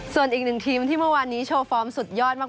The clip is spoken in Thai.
ส่วนอีกหนึ่งทีมที่เมื่อวานนี้โชว์ฟอร์มสุดยอดมาก